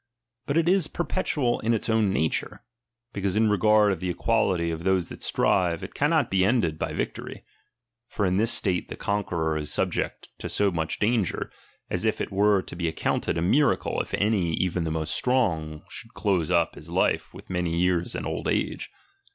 But it is per petual in its own nature ; because in regard of the equality of those that strive, it cannot be ended by victory. For in this state the conqueror is subject to so much danger, as it were to be accounted a miracle, if any, even the most strong, should close up his life with many years and old age.